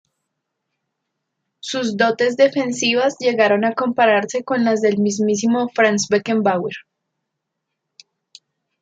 Su dotes defensivas llegaron a compararse con las del mismísimo Franz Beckenbauer.